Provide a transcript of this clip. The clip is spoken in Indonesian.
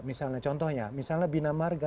misalnya contohnya misalnya binamarga